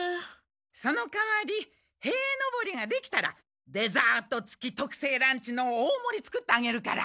そのかわり塀のぼりができたらデザートつき特製ランチの大もり作ってあげるから。